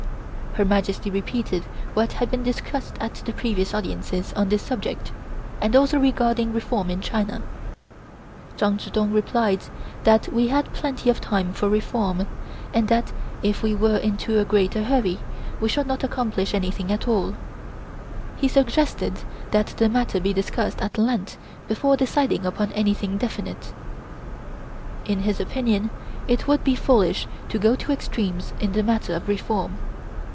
Her Majesty repeated what had been discussed at the previous audiences on this subject and also regarding reform in China. Chang Chih Tung replied that we had plenty of time for reform, and that if we were in too great a hurry, we should not accomplish anything at all. He suggested that the matter be discussed at length before deciding upon anything definite. In his opinion it would be foolish to go to extremes in the matter of reform.